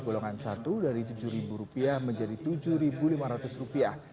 golongan satu dari tujuh rupiah menjadi tujuh lima ratus rupiah